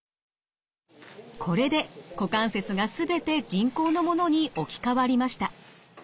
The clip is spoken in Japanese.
これで股関節が全て人工のものに置き換わりました。